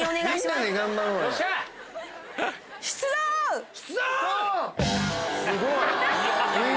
すごい。